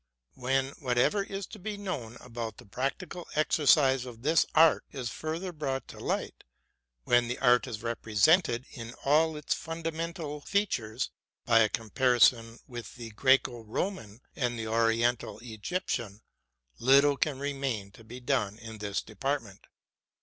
When whatever is to be known about the practical exercise of this art is further brought to light, when the art is represented in all its fundamental features by a compari son with the Graeco Roman and the Oriental Egyptian, little can remain to be done in this department.